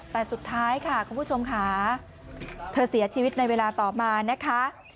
แต่สุดท้ายค่ะคุณผู้ชมค่ะเธอเสียชีวิตในเวลาต่อมานะคะ